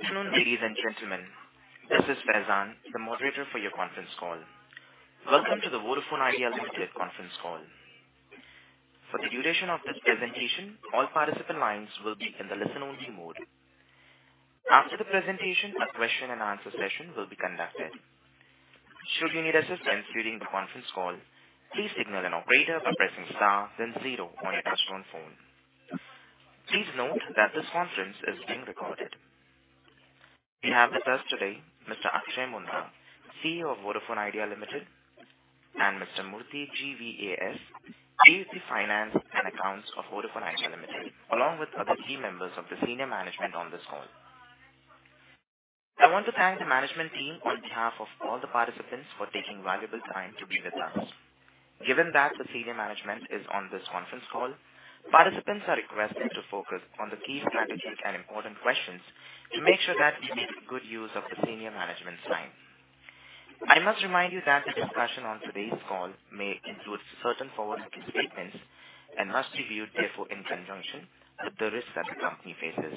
Good afternoon, ladies and gentlemen. This is Faizan, the moderator for your conference call. Welcome to the Vodafone Idea Limited conference call. For the duration of this presentation, all participant lines will be in the listen-only mode. After the presentation, a question and answer session will be conducted. Should you need assistance during the conference call, please signal an operator by pressing star then zero on your touchtone phone. Please note that this conference is being recorded. We have with us today Mr. Akshaya Moondra, Chief Executive Officer of Vodafone Idea Limited, and Mr. Murthy GVAS, Chief of Finance and Accounts of Vodafone Idea Limited, along with other key members of the senior management on this call. I want to thank the management team on behalf of all the participants for taking valuable time to be with us. Given that the senior management is on this conference call, participants are requested to focus on the key strategic and important questions to make sure that we make good use of the senior management's time. I must remind you that the discussion on today's call may include certain forward-looking statements and must be viewed therefore in conjunction with the risks that the company faces.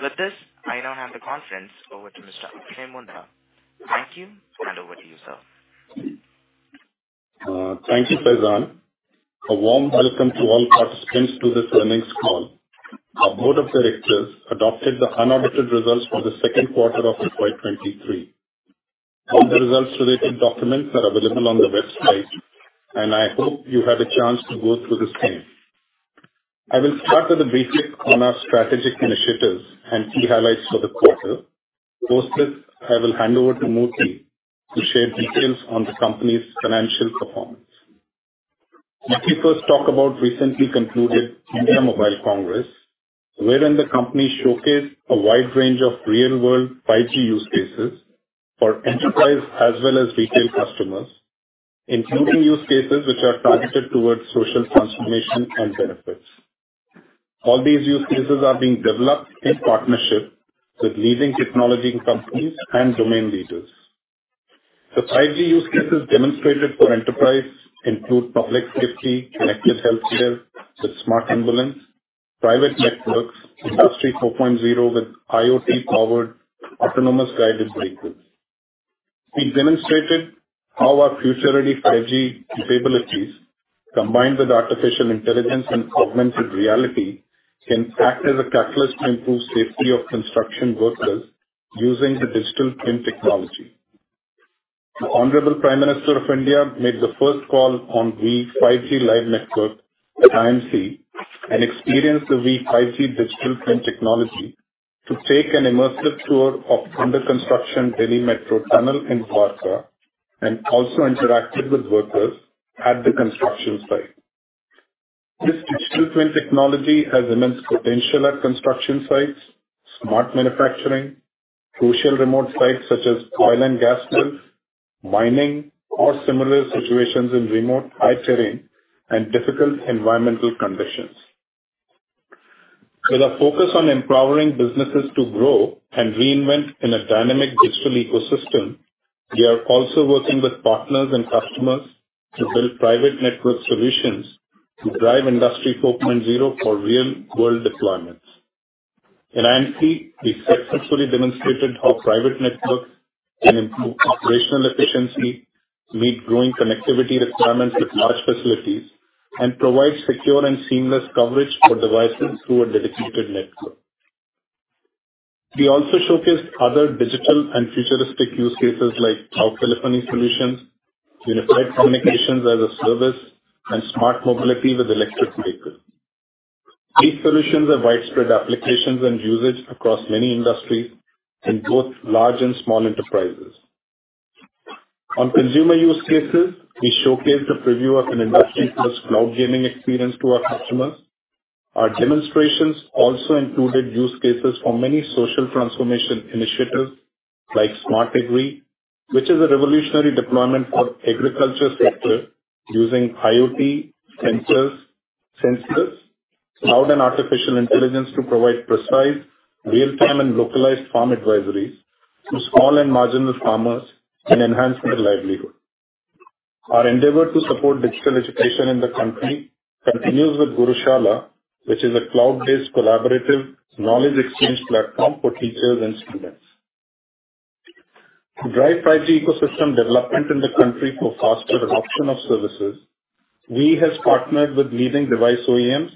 With this, I now hand the conference over to Mr. Akshaya Moondra. Thank you, and over to you, sir. Thank you, Faizan. A warm welcome to all participants to this earnings call. Our board of directors adopted the unaudited results for the second quarter of FY 2023. All the results-related documents are available on the website, and I hope you had a chance to go through the same. I will start with a brief take on our strategic initiatives and key highlights for the quarter. Post this, I will hand over to Murthy to share details on the company's financial performance. Murthy first talk about recently concluded India Mobile Congress, wherein the company showcased a wide range of real-world 5G use cases for enterprise as well as retail customers, including use cases which are targeted towards social transformation and benefits. All these use cases are being developed in partnership with leading technology companies and domain leaders. The 5G use cases demonstrated for enterprise include public safety, connected healthcare with smart ambulance, private networks, Industry 4.0 with IoT-powered autonomous guided vehicles. We demonstrated how our future-ready 5G capabilities, combined with artificial intelligence and augmented reality, can act as a catalyst to improve safety of construction workers using the digital twin technology. The Honorable Prime Minister of India made the first call on Vi 5G live network at IMC and experienced the Vi 5G digital twin technology to take an immersive tour of under-construction Delhi Metro tunnel in Dwarka and also interacted with workers at the construction site. This digital twin technology has immense potential at construction sites, smart manufacturing, crucial remote sites such as oil and gas wells, mining, or similar situations in remote high terrain and difficult environmental conditions. With a focus on empowering businesses to grow and reinvent in a dynamic digital ecosystem, we are also working with partners and customers to build private network solutions to drive Industry 4.0 for real-world deployments. At IMC, we successfully demonstrated how private networks can improve operational efficiency, meet growing connectivity requirements with large facilities, and provide secure and seamless coverage for devices through a dedicated network. We also showcased other digital and futuristic use cases like cloud telephony solutions, unified communications as a service, and smart mobility with electric vehicles. These solutions have widespread applications and usage across many industries in both large and small enterprises. On consumer use cases, we showcased a preview of an industry-first cloud gaming experience to our customers. Our demonstrations also included use cases for many social transformation initiatives like Smart Agri, which is a revolutionary deployment for agriculture sector using IoT sensors, cloud and artificial intelligence to provide precise real-time and localized farm advisories to small and marginal farmers and enhance their livelihood. Our endeavor to support digital education in the country continues with Gurushala, which is a cloud-based collaborative knowledge exchange platform for teachers and students. To drive 5G ecosystem development in the country for faster adoption of services, we have partnered with leading device OEMs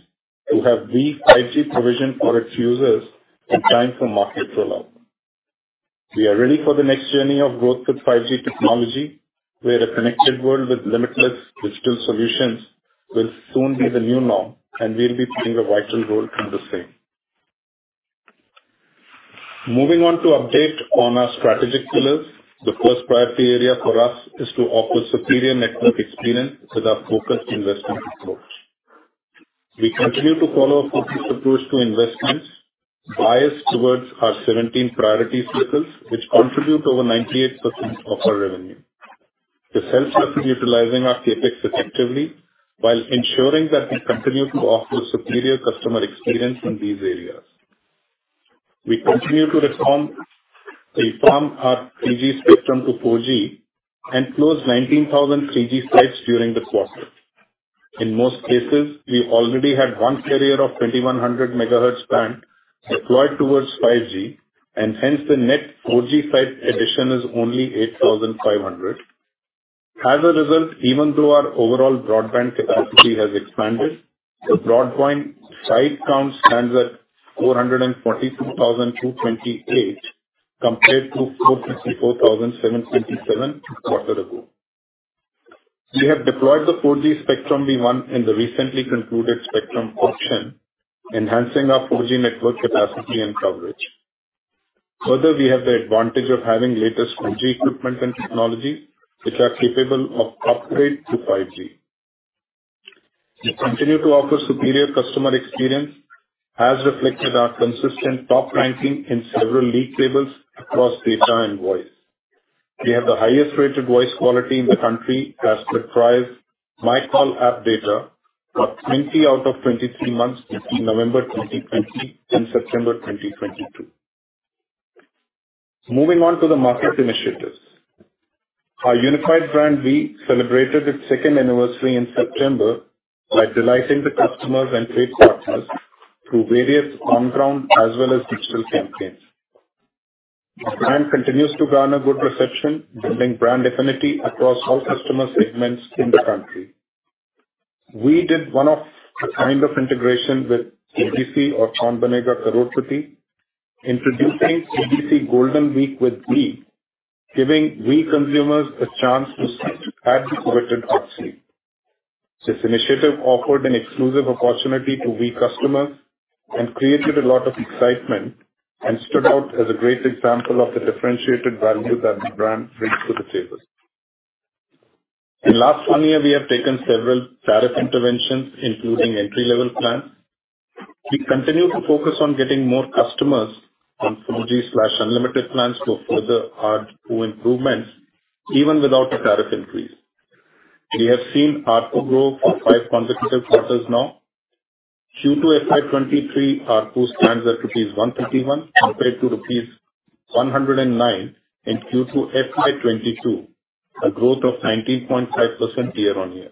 to have Vi 5G provision for its users in time for market rollout. We are ready for the next journey of growth with 5G technology, where a connected world with limitless digital solutions will soon be the new norm, and we'll be playing a vital role in the same. Moving on to update on our strategic pillars. The first priority area for us is to offer superior network experience with our focused investment approach. We continue to follow a focused approach to investments biased towards our 17 priority circles, which contribute over 98% of our revenue. We are utilizing our CapEx effectively while ensuring that we continue to offer superior customer experience in these areas. We continue to refarm our 3G spectrum to 4G and closed 19,000 3G sites during the quarter. In most cases, we already had one carrier of 2,100 megahertz band deployed towards 5G and hence the net 4G site addition is only 8,500. As a result, even though our overall broadband capacity has expanded, the broadband site count stands at 442,228 compared to 454,727 a quarter ago. We have deployed the 4G spectrum we won in the recently concluded spectrum auction, enhancing our 4G network capacity and coverage. Further, we have the advantage of having latest 4G equipment and technology which are capable of upgrade to 5G. We continue to offer superior customer experience, as reflected in our consistent top ranking in several league tables across data and voice. We have the highest-rated voice quality in the country as per TRAI MyCall app data for 20 out of 23 months between November 2020 and September 2022. Moving on to the market initiatives. Our unified brand, Vi, celebrated its second anniversary in September by delighting the customers and trade partners through various on-ground as well as digital campaigns. Our brand continues to garner good reception, building brand affinity across all customer segments in the country. We did one of a kind of integration with KBC or Kaun Banega Crorepati, introducing KBC Golden Week with Vi, giving Vi consumers a chance to sit at the coveted hot seat. This initiative offered an exclusive opportunity to Vi customers and created a lot of excitement, and stood out as a great example of the differentiated value that the brand brings to the table. In last one year, we have taken several tariff interventions, including entry-level plans. We continue to focus on getting more customers on 4G/unlimited plans to further ARPU improvements even without a tariff increase. We have seen ARPU grow for five consecutive quarters now. Q2 FY 2023 ARPU stands at rupees 151 compared to INR 109 in Q2 FY 2022, a growth of 19.5% year-over-year.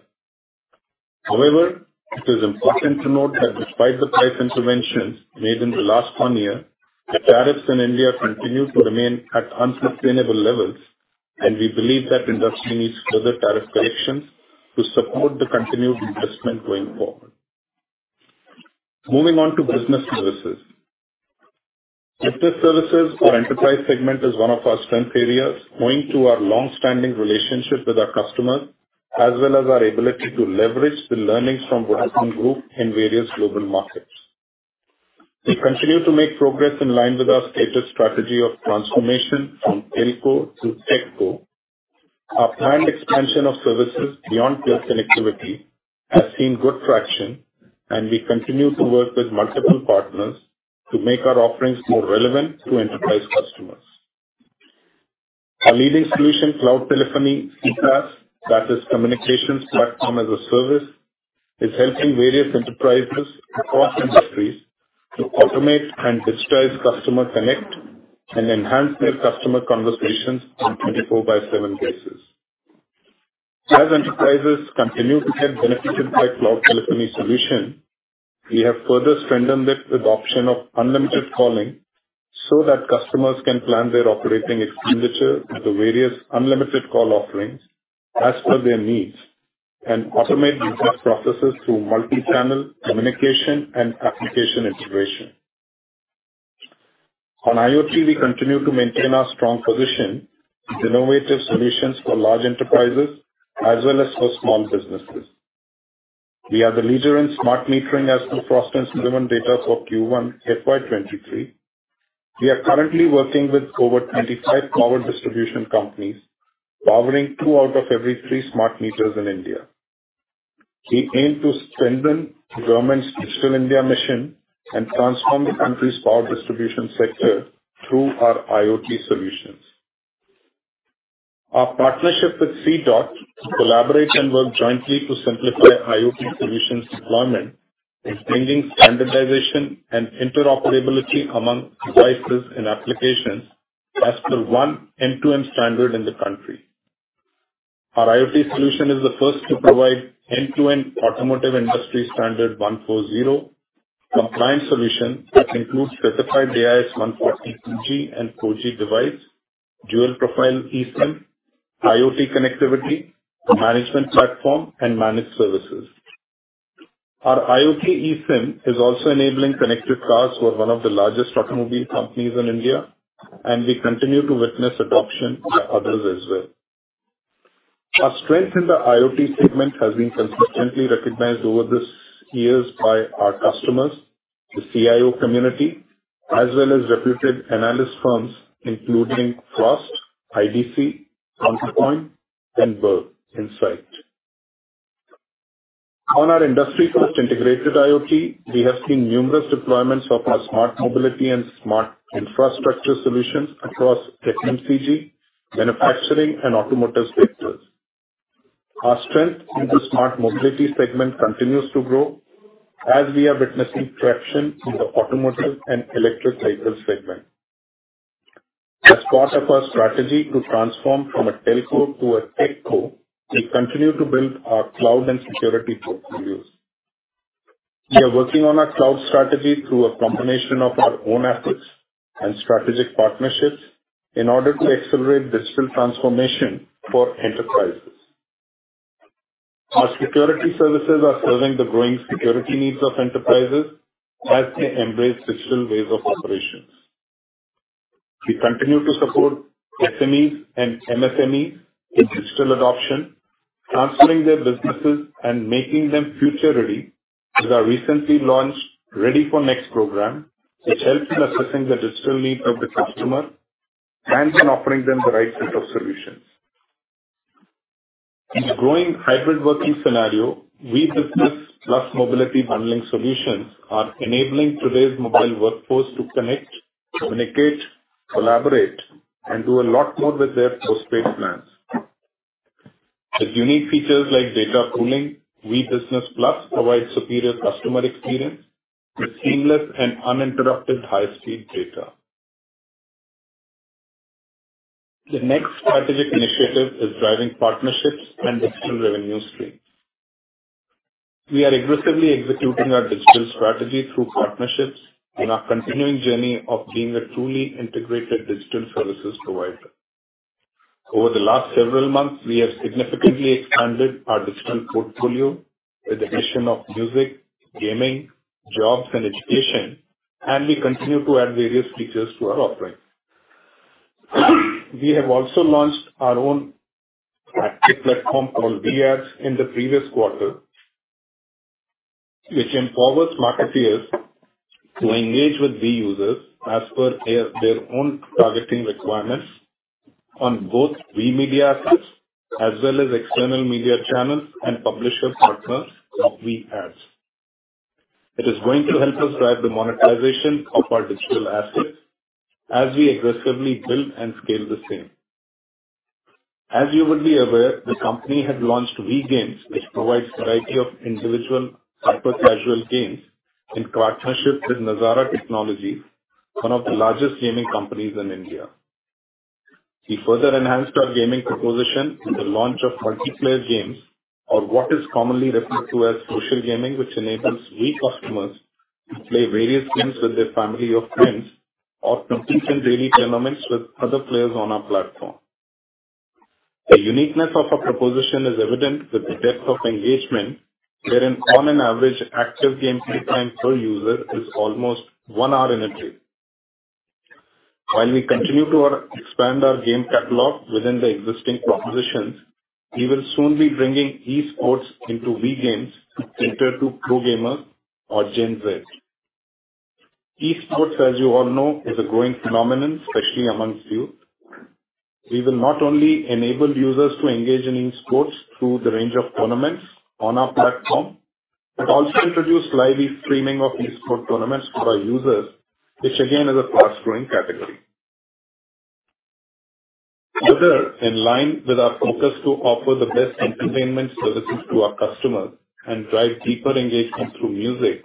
However, it is important to note that despite the price interventions made in the last one year, the tariffs in India continue to remain at unsustainable levels. We believe that industry needs further tariff corrections to support the continued investment going forward. Moving on to business services. Business services or enterprise segment is one of our strength areas, owing to our long-standing relationship with our customers, as well as our ability to leverage the learnings from Vodafone Group in various global markets. We continue to make progress in line with our stated strategy of transformation from telco to techco. Our planned expansion of services beyond pure connectivity has seen good traction, and we continue to work with multiple partners to make our offerings more relevant to enterprise customers. Our leading solution, cloud telephony, CPaaS, that is Communications Platform as a Service, is helping various enterprises across industries to automate and digitize customer connect and enhance their customer conversations on 24 by 7 basis. As enterprises continue to get benefited by cloud telephony solution, we have further strengthened it with the option of unlimited calling, so that customers can plan their operating expenditure with the various unlimited call offerings as per their needs, and automate the test processes through multi-channel communication and application integration. On IoT, we continue to maintain our strong position with innovative solutions for large enterprises as well as for small businesses. We are the leader in smart metering as per Frost & Sullivan data for Q1 FY 2023. We are currently working with over 25 power distribution companies, powering two out of every three smart meters in India. We aim to strengthen Government's Digital India mission and transform the country's power distribution sector through our IoT solutions. Our partnership with C-DOT to collaborate and work jointly to simplify IoT solutions deployment, extending standardization and interoperability among devices and applications as per one end-to-end standard in the country. Our IoT solution is the first to provide end-to-end automotive industry standard 140 compliant solution that includes specified AIS 140 2G and 4G device, dual profile eSIM, IoT connectivity, management platform, and managed services. Our IoT eSIM is also enabling connected cars for one of the largest automobile companies in India, and we continue to witness adoption by others as well. Our strength in the IoT segment has been consistently recognized over these years by our customers, the CIO community, as well as reputed analyst firms, including Frost, IDC, Counterpoint, and Berg Insight. On our industry-first integrated IoT, we have seen numerous deployments of our smart mobility and smart infrastructure solutions across FMCG, manufacturing, and automotive sectors. Our strength in the smart mobility segment continues to grow as we are witnessing traction in the automotive and electric cycles segment. As part of our strategy to transform from a telco to a techco, we continue to build our cloud and security portfolios. We are working on our cloud strategy through a combination of our own assets and strategic partnerships in order to accelerate digital transformation for enterprises. Our security services are serving the growing security needs of enterprises as they embrace digital ways of operations. We continue to support SMEs and MSMEs in digital adoption, transferring their businesses and making them future-ready with our recently launched Ready for Next program, which helps in assessing the digital needs of the customer and in offering them the right set of solutions. In the growing hybrid working scenario, Vi Business Plus mobility bundling solutions are enabling today's mobile workforce to connect, communicate, collaborate, and do a lot more with their postpaid plans. With unique features like data pooling, Vi Business Plus provides superior customer experience with seamless and uninterrupted high-speed data. The next strategic initiative is driving partnerships and digital revenue stream. We are aggressively executing our digital strategy through partnerships in our continuing journey of being a truly integrated digital services provider. Over the last several months, we have significantly expanded our digital portfolio with the addition of music, gaming, jobs, and education, and we continue to add various features to our offering. We have also launched our own active platform called Vi Ads in the previous quarter, which empowers marketeers to engage with Vi users as per their own targeting requirements on both Vi media assets as well as external media channels and publisher partners of Vi Ads. It is going to help us drive the monetization of our digital assets as we aggressively build and scale the same. As you would be aware, the company has launched Vi Games, which provides variety of individual hyper-casual games in partnership with Nazara Technologies, one of the largest gaming companies in India. We further enhanced our gaming proposition with the launch of multiplayer games or what is commonly referred to as social gaming, which enables Vi customers to play various games with their family or friends or compete in daily tournaments with other players on our platform. The uniqueness of our proposition is evident with the depth of engagement, wherein on average, active game play time per user is almost one hour in a day. While we continue to expand our game catalog within the existing propositions, we will soon be bringing e-sports into Vi Games catered to pro gamers or Gen Z. E-sports, as you all know, is a growing phenomenon, especially among youth. We will not only enable users to engage in e-sports through the range of tournaments on our platform, but also introduce live streaming of e-sports tournaments for our users, which again is a fast-growing category. Further, in line with our focus to offer the best entertainment services to our customers and drive deeper engagement through music,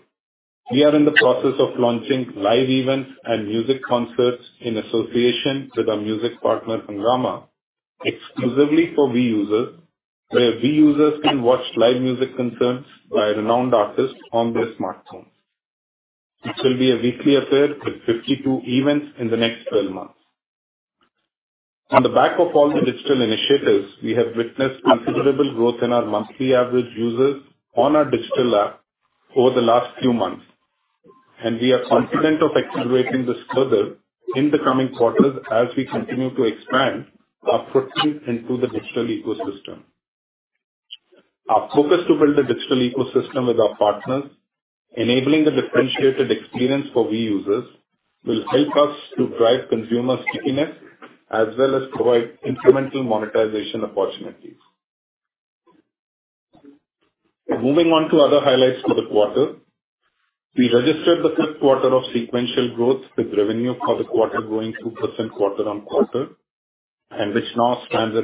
we are in the process of launching live events and music concerts in association with our music partner, Hungama, exclusively for Vi users, where Vi users can watch live music concerts by renowned artists on their smartphones. It will be a weekly affair with 52 events in the next 12 months. On the back of all the digital initiatives, we have witnessed considerable growth in our monthly average users on our digital app over the last few months, and we are confident of accelerating this further in the coming quarters as we continue to expand our footprint into the digital ecosystem. Our focus to build a digital ecosystem with our partners, enabling the differentiated experience for Vi users, will help us to drive consumer stickiness as well as provide incremental monetization opportunities. Moving on to other highlights for the quarter. We registered the fifth quarter of sequential growth, with revenue for the quarter growing 2% quarter-on-quarter, and which now stands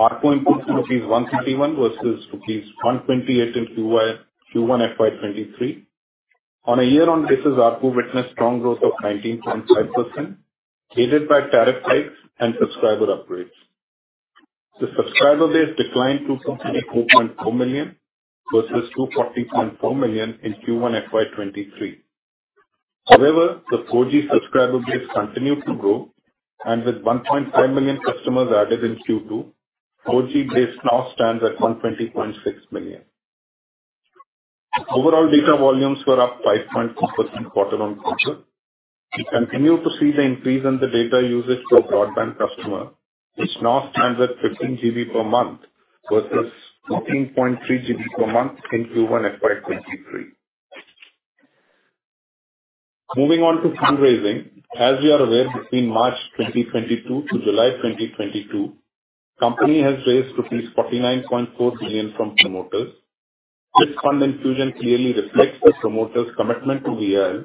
at 106.1 billion. ARPU improved to rupees 131 versus rupees 128 in Q1 FY 2023. On a year-on-year basis, ARPU witnessed strong growth of 19.5%, aided by tariff hikes and subscriber upgrades. The subscriber base declined to 24.4 million versus 24.4 million in Q1 FY 2023. However, the 4G subscriber base continued to grow, and with 1.5 million customers added in Q2, 4G base now stands at 120.6 million. Overall data volumes were up 5.2% quarter-on-quarter. We continue to see the increase in the data usage for broadband customer, which now stands at 15 GB per month versus 14.3 GB per month in Q1 FY 2023. Moving on to fundraising. As you are aware, between March 2022 to July 2022, company has raised 49.4 billion from promoters. This fund infusion clearly reflects the promoters' commitment to VIL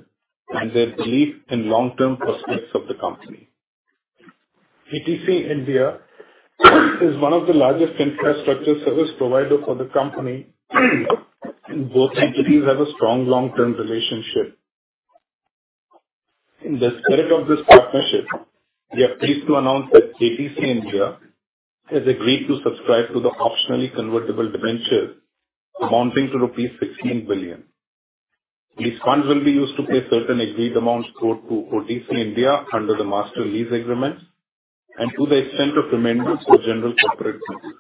and their belief in long-term prospects of the company. ATC India is one of the largest infrastructure service provider for the company, and both entities have a strong long-term relationship. In the spirit of this partnership, we are pleased to announce that ATC India has agreed to subscribe to the optionally convertible debentures amounting to rupees 16 billion. These funds will be used to pay certain agreed amounts owed to ATC India under the Master Lease Agreement and to the extent of the remainder, for general corporate purposes.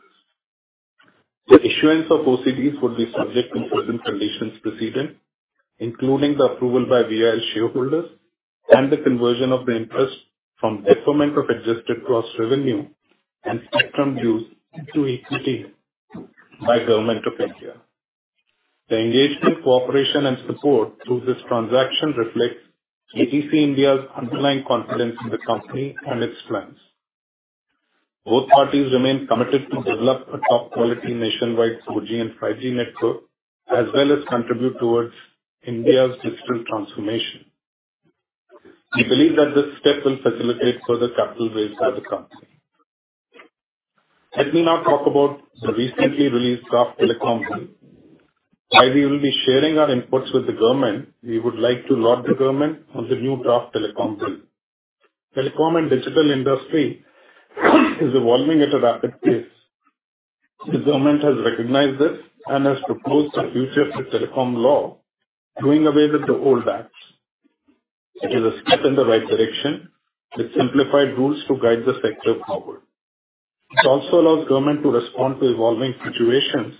The issuance of OCDs would be subject to certain conditions precedent, including the approval by VI shareholders and the conversion of the interest from deferment of adjusted gross revenue and spectrum dues into equity by Government of India. The engagement, cooperation, and support through this transaction reflects ATC India's underlying confidence in the company and its plans. Both parties remain committed to develop a top-quality nationwide 4G and 5G network, as well as contribute towards India's digital transformation. We believe that this step will facilitate further capital raise by the company. Let me now talk about the recently released Draft Indian Telecommunication Bill, 2022. While we will be sharing our inputs with the government, we would like to laud the government on the new draft Telecom Bill. Telecom and digital industry is evolving at a rapid pace. The government has recognized this and has proposed a future fit telecom law, doing away with the old acts. It is a step in the right direction with simplified rules to guide the sector forward. It also allows government to respond to evolving situations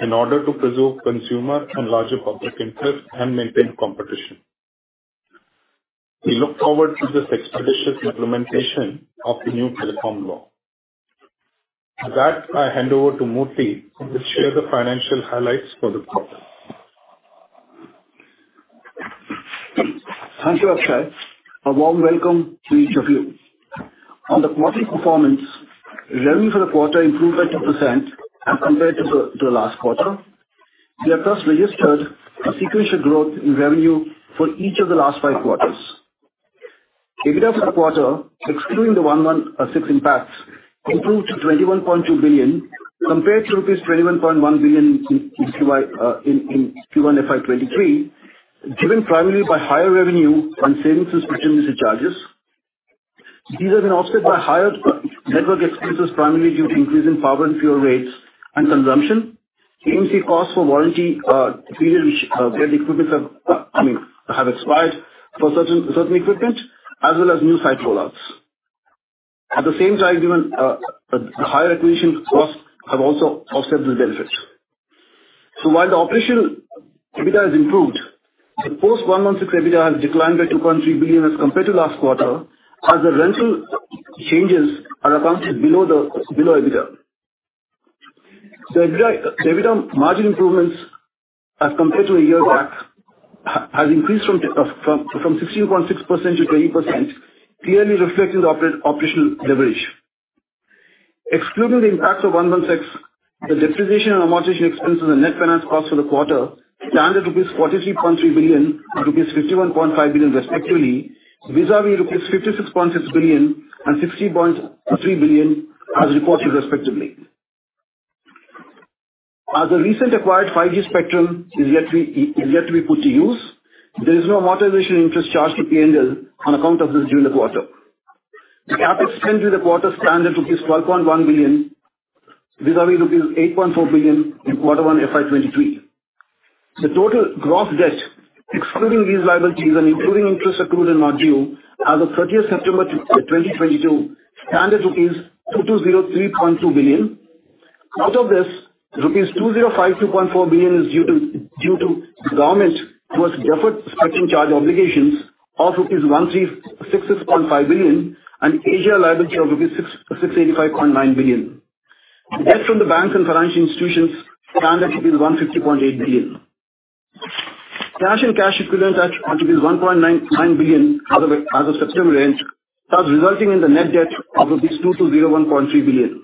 in order to preserve consumer and larger public interest and maintain competition. We look forward to the expeditious implementation of the new telecom law. With that, I hand over to Murthy to share the financial highlights for the quarter. Thank you, Akshaya. A warm welcome to each of you. On the quarter performance, revenue for the quarter improved by 2% as compared to the last quarter. We have thus registered a sequential growth in revenue for each of the last five quarters. EBITDA for the quarter, excluding the Ind AS 116 impacts, improved to 21.2 billion, compared to rupees 21.1 billion in Q1 FY 2023, driven primarily by higher revenue on services performed and charges. These have been offset by higher network expenses, primarily due to increase in power and fuel rates and consumption, increased costs for warranty period where the equipment has expired for certain equipment, as well as new site rollouts. At the same time, given higher acquisition costs have also offset this benefit. While the operational EBITDA has improved, the post-Ind AS 116 EBITDA has declined by 2.3 billion as compared to last quarter, as the rental changes are accounted below EBITDA. The EBITDA margin improvements as compared to a year back has increased from 16.6% to 20%, clearly reflecting the operational leverage. Excluding the impacts of Ind AS 116, the depreciation and amortization expenses and net finance costs for the quarter stand at rupees 43.3 billion and rupees 51.5 billion, respectively, vis-à-vis rupees 56.6 billion and 60.3 billion as reported respectively. As the recently acquired 5G spectrum is yet to be put to use, there is no amortization interest charged to P&L on account of this during the quarter. The CapEx spent during the quarter stand at INR 12.1 billion, vis-à-vis rupees 8.4 billion in quarter one FY 2023. The total gross debt, excluding these liabilities and including interest accrued and not due, as of thirtieth September 2022, stand at rupees 2,203.2 billion. Out of this, rupees 2,052.4 billion is due to the government towards deferred spectrum charge obligations of rupees 1,366.5 billion and AGR liability of rupees 685.9 billion. The debt from the banks and financial institutions stand at rupees 150.8 billion. Cash and cash equivalents at 1.99 billion as of September end, thus resulting in the net debt of rupees 2,201.3 billion.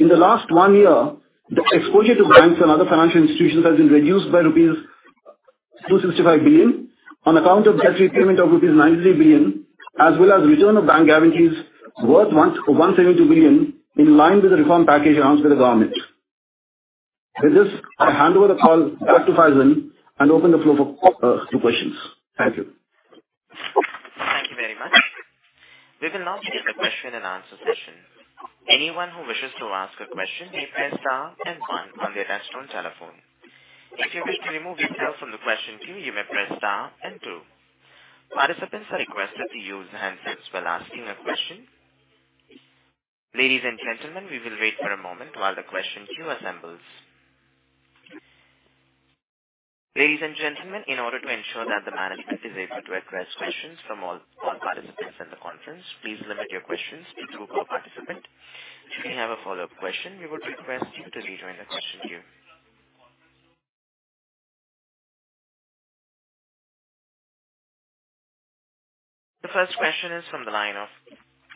In the last one year, the exposure to banks and other financial institutions has been reduced by rupees 265 billion on account of debt repayment of rupees 93 billion, as well as return of bank guarantees worth 172 billion, in line with the reform package announced by the government. With this, I hand over the call back to Faizan and open the floor to questions. Thank you. Thank you very much. We will now begin the question and answer session. Anyone who wishes to ask a question may press star and one on their desktop telephone. If you wish to remove yourself from the question queue, you may press star and two. Participants are requested to use handsets while asking a question. Ladies and gentlemen, we will wait for a moment while the question queue assembles. Ladies and gentlemen, in order to ensure that the management is able to address questions from all participants in the conference, please limit your questions to two per participant. If you have a follow-up question, we would request you to rejoin the question queue. The first question is from the line of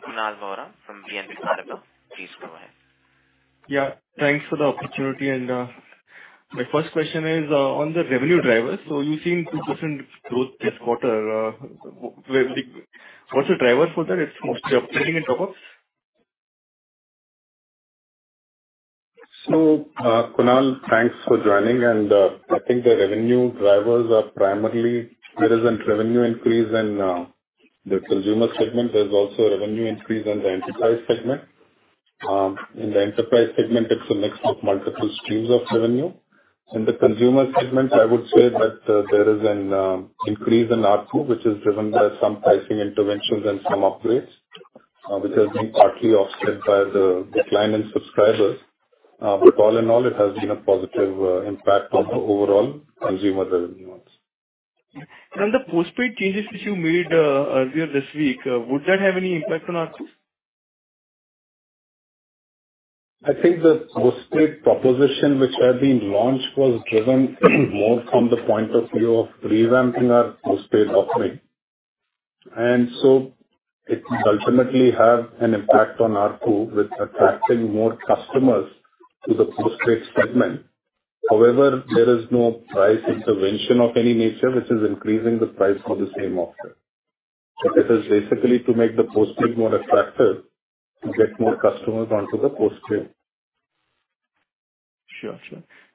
Kunal Vora from BNP Paribas. Please go ahead. Yeah. Thanks for the opportunity. My first question is on the revenue drivers. You've seen consistent growth this quarter. What's the driver for that? It's mostly upgrading and top-ups? Kunal, thanks for joining, and I think the revenue drivers are primarily there is a revenue increase in the consumer segment. There's also a revenue increase in the enterprise segment. In the enterprise segment, it's a mix of multiple streams of revenue. In the consumer segment, I would say that there is an increase in ARPU, which is driven by some pricing interventions and some upgrades, which has been partly offset by the decline in subscribers. All in all, it has been a positive impact on the overall consumer revenues. The postpaid changes which you made earlier this week would that have any impact on ARPU? I think the postpaid proposition which had been launched was driven more from the point of view of revamping our postpaid offering. It ultimately has an impact on ARPU with attracting more customers to the postpaid segment. However, there is no price intervention of any nature which is increasing the price for the same offer. This is basically to make the postpaid more attractive to get more customers onto the postpaid.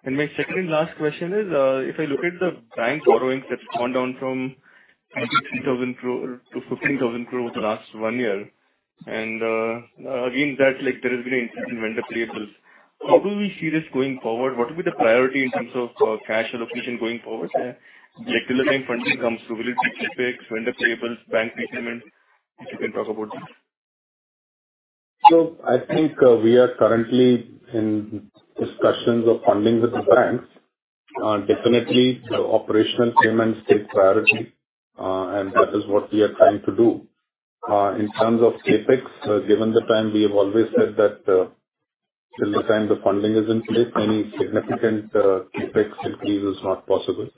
My second and last question is, if I look at the bank borrowings that's gone down from 93,000 crore to 15,000 crore the last one year, and, again, that, like, there has been an increase in vendor payables. How do we see this going forward? What will be the priority in terms of, cash allocation going forward there? Like, till the time funding comes through, will it be CapEx, vendor payables, bank repayments? If you can talk about these. I think, we are currently in discussions of funding with the banks. Definitely the operational payments take priority, and that is what we are trying to do. In terms of CapEx, given the time, we have always said that, till the time the funding is in place, any significant, CapEx increase is not possible.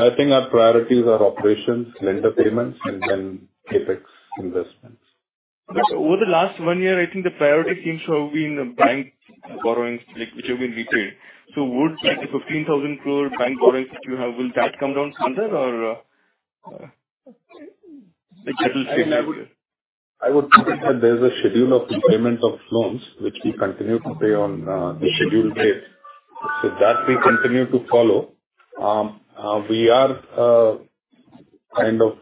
I think our priorities are operations, vendor payments, and then CapEx investments. Over the last one year, I think the priority seems to have been bank borrowings, like, which have been repaid. Would, like, the 15,000 crore bank borrowings that you have, will that come down further or, like, it will stay like this? I would say that there's a schedule of repayments of loans which we continue to pay on the scheduled dates. That we continue to follow. We are kind of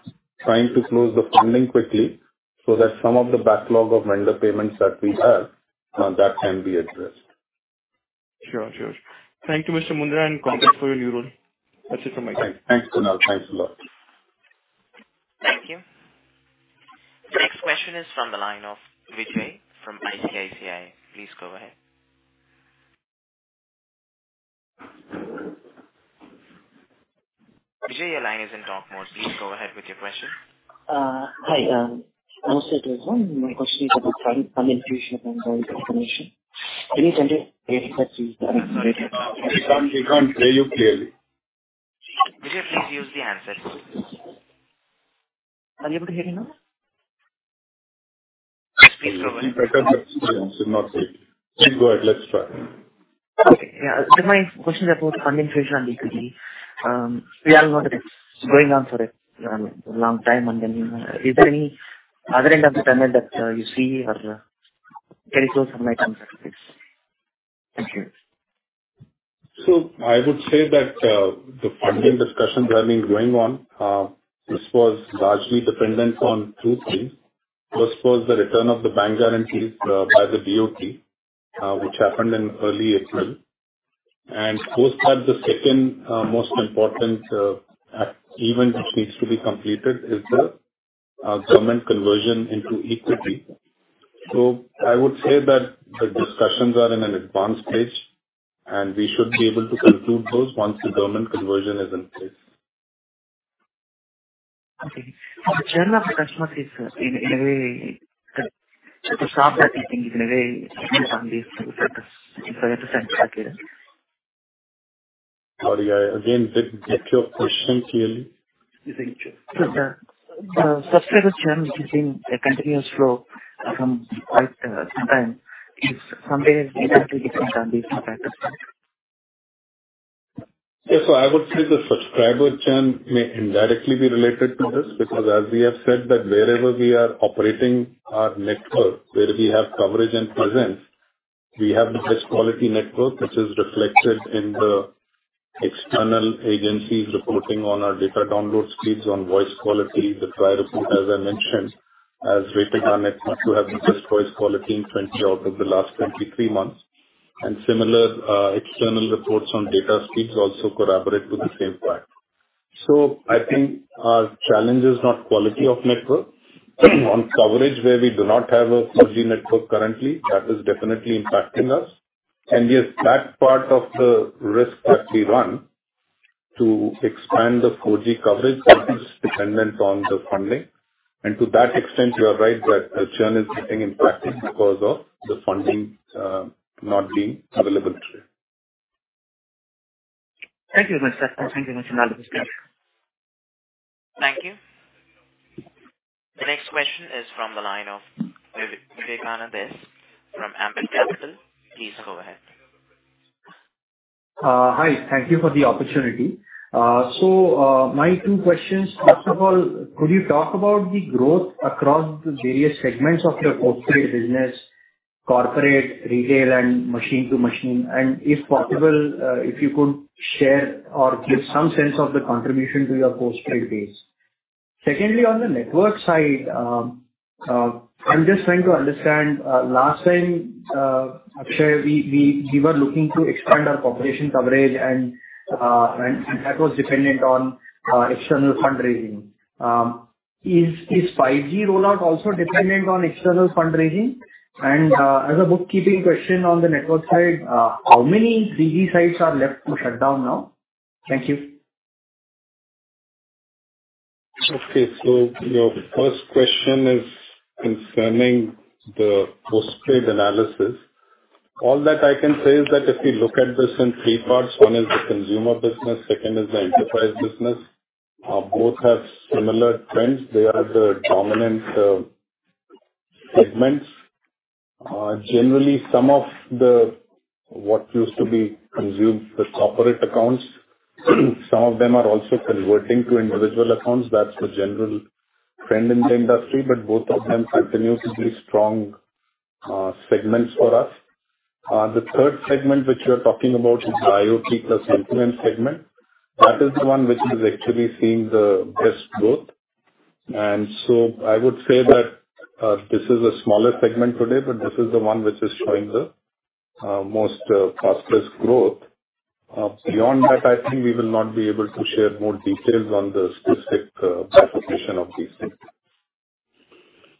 trying to close the funding quickly so that some of the backlog of vendor payments that we have that can be addressed. Sure. Thank you, Mr. Moondra, and congrats for your new role. That's it from my side. Thanks, Kunal. Thanks a lot. Thank you. The next question is from the line of Sanjesh Jain from ICICI. Please go ahead. Sanjesh, your line is in talk mode. Please go ahead with your question. Hi. We can't hear you clearly. Sanjesh, please use the handset. Are you able to hear me now? Yes, please go ahead. Better, but still not great. Please go ahead. Let's try. Okay. Yeah. My question is about funding situation on equity. We all know that it's going on for a long time, and then, is there any other end of the tunnel that you see or any close on items like this? Thank you. I would say that the funding discussions are, I mean, going on. This was largely dependent on two things. First was the return of the bank guarantees by the DoT, which happened in early April. Post that, the second most important event which needs to be completed is the government conversion into equity. I would say that the discussions are in an advanced stage, and we should be able to conclude those once the government conversion is in place. Okay. The churn of the customers is, in a way, to stop that, you think in a way. Sorry, again, repeat your question clearly. The subscriber churn, which has been a continuous flow for quite some time, is somewhat indirectly different than these factors. I would say the subscriber churn may indirectly be related to this, because as we have said that wherever we are operating our network, where we have coverage and presence, we have the best quality network, which is reflected in the external agencies reporting on our data download speeds, on voice quality. The TRAI report, as I mentioned, has rated our network to have the best voice quality in 20 out of the last 23 months. Similar external reports on data speeds also corroborate to the same fact. I think our challenge is not quality of network. On coverage where we do not have a 4G network currently, that is definitely impacting us. Yes, that part of the risk that we run to expand the 4G coverage is dependent on the funding. To that extent, you are right that the churn is getting impacted because of the funding not being available to us. Thank you very much, Akshaya. Thank you very much, analyst team. Thank you. The next question is from the line of Vivekanand Subbaraman from Ambit Capital. Please go ahead. Hi. Thank you for the opportunity. My two questions. First of all, could you talk about the growth across the various segments of your postpaid business, corporate, retail, and machine-to-machine? If possible, if you could share or give some sense of the contribution to your postpaid base. Secondly, on the network side, I'm just trying to understand. Last time, Akshaya, we were looking to expand our population coverage and that was dependent on external fundraising. Is 5G rollout also dependent on external fundraising? As a bookkeeping question on the network side, how many 3G sites are left to shut down now? Thank you. Okay. Your first question is concerning the postpaid analysis. All that I can say is that if we look at this in three parts, one is the consumer business, second is the enterprise business. Both have similar trends. They are the dominant segments. Generally, some of what used to be consumed with corporate accounts, some of them are also converting to individual accounts. That's the general trend in the industry, but both of them continue to be strong segments for us. The third segment which you're talking about is the IoT plus segment. That is the one which is actually seeing the best growth. I would say that this is a smaller segment today, but this is the one which is showing the most fastest growth. Beyond that, I think we will not be able to share more details on the specific participation of these things.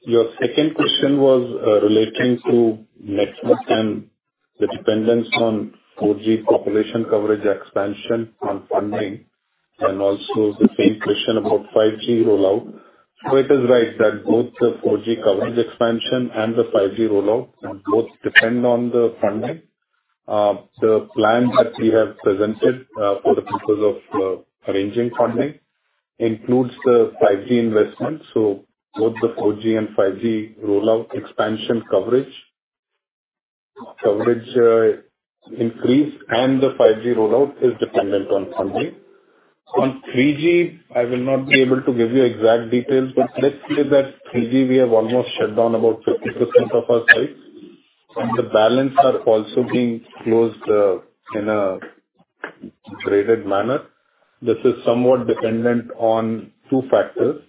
Your second question was relating to network and the dependence on 4G population coverage expansion on funding and also the same question about 5G rollout. It is right that both the 4G coverage expansion and the 5G rollout both depend on the funding. The plan that we have presented for the purpose of arranging funding includes the 5G investment. Both the 4G and 5G rollout expansion coverage increase and the 5G rollout is dependent on funding. On 3G, I will not be able to give you exact details, but let's say that 3G we have almost shut down about 50% of our sites, and the balance are also being closed in a graded manner. This is somewhat dependent on two factors.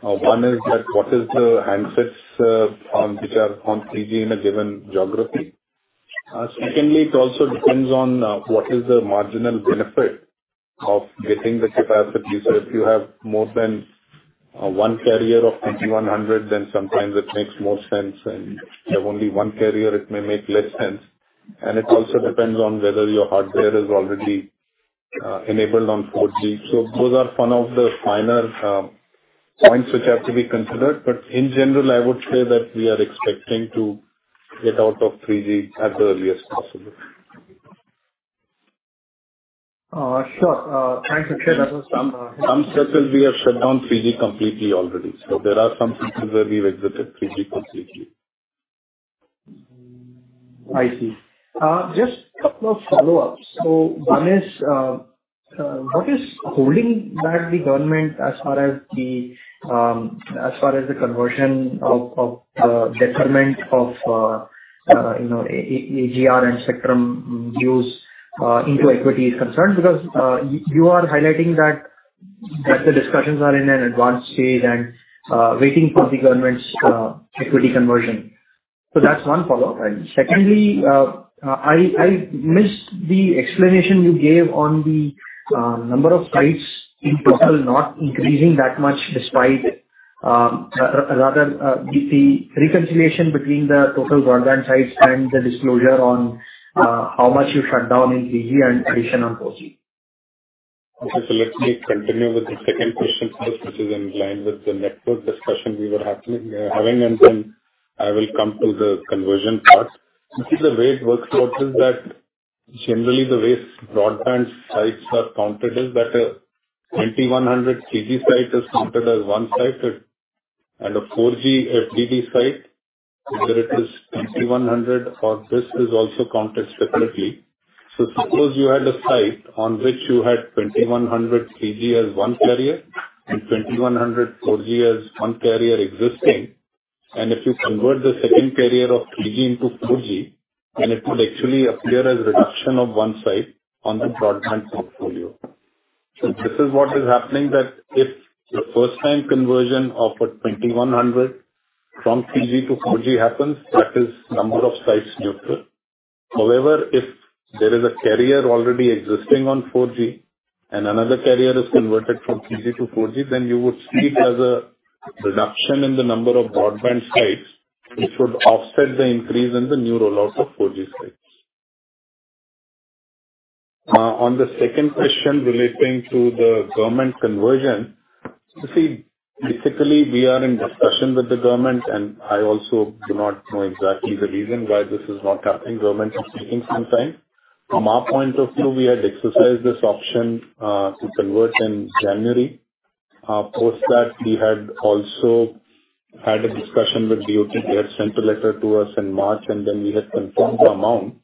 One is that what is the handsets on which are on 3G in a given geography. Secondly, it also depends on what is the marginal benefit of getting the capacity. If you have more than one carrier of 2100, then sometimes it makes more sense, and if you have only one carrier, it may make less sense. It also depends on whether your hardware is already enabled on 4G. Those are some of the finer points which have to be considered. In general, I would say that we are expecting to get out of 3G as early as possible. Sure. Thanks, Akshaya. Some circles we have shut down 3G completely already. There are some circles where we've exited 3G completely. I see. Just a couple of follow-ups. One is, what is holding back the government as far as the conversion of debt and dues of AGR and spectrum dues into equity is concerned? Because you are highlighting that the discussions are in an advanced stage and waiting for the government's equity conversion. That's one follow-up. Secondly, I missed the explanation you gave on the number of sites in total not increasing that much despite rather the reconciliation between the total broadband sites and the disclosure on how much you shut down in 3G and addition on 4G. Okay. Let me continue with the second question first, which is in line with the network discussion we were having, and then I will come to the conversion part. You see, the way it works out is that generally the way broadband sites are counted is that a 2100 3G site is counted as one site. A 4G FDD site, whether it is 2100 or this is also counted separately. Suppose you had a site on which you had 2100 3G as one carrier and 2100 4G as one carrier existing. If you convert the second carrier of 3G into 4G, then it would actually appear as reduction of one site on the broadband portfolio. This is what is happening, that if the first time conversion of a 2100 from 3G to 4G happens, that is number of sites neutral. However, if there is a carrier already existing on 4G and another carrier is converted from 3G to 4G, then you would see it as a reduction in the number of broadband sites, which would offset the increase in the new rollouts of 4G sites. On the second question relating to the government conversion. See, basically we are in discussion with the government, and I also do not know exactly the reason why this is not happening. Government is taking some time. From our point of view, we had exercised this option to convert in January. Post that we had also had a discussion with DoT. They had sent a letter to us in March, and then we had confirmed the amount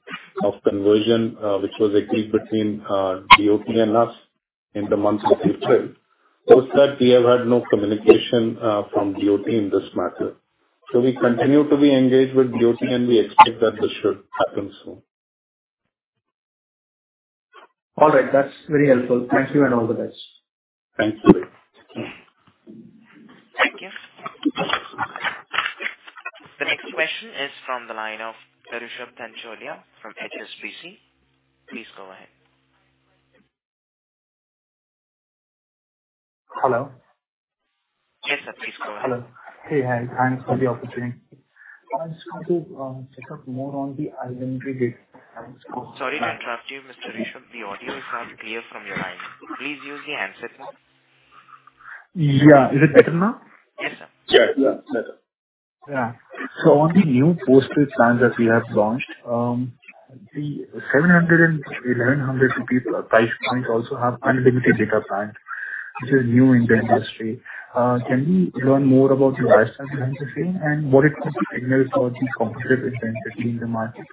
of conversion, which was agreed between DoT and us in the month of April. Post that, we have had no communication from DoT in this matter. We continue to be engaged with DoT, and we expect that this should happen soon. All right. That's very helpful. Thank you and all the best. Thank you. Thank you. The next question is from the line of Rishabh Dhancholia from HSBC. Please go ahead. Hello. Yes, sir. Please go ahead. Hello. Hey, hi. Thanks for the opportunity. I just want to check out more on the industry bit. Sorry to interrupt you, Mr. Rishabh. The audio is not clear from your line. Please use the handset mode. Yeah. Is it better now? Yes, sir. Yeah, yeah. Better. On the new postpaid plans that we have launched, the 700 and 1100 rupee price point also have unlimited data plan, which is new in the industry. Can we learn more about your rationale behind the same and what it could signal for the competitive landscape in the market?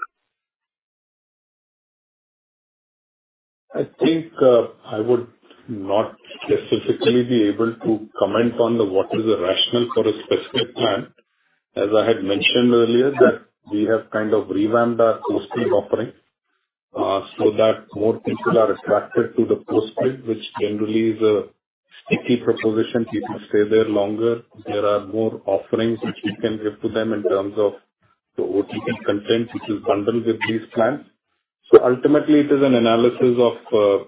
I think I would not specifically be able to comment on the what is the rationale for a specific plan. As I had mentioned earlier that we have kind of revamped our postpaid offering, so that more people are attracted to the postpaid, which generally is a sticky proposition. People stay there longer. There are more offerings which we can give to them in terms of the OTT content, which is bundled with these plans. Ultimately, it is an analysis of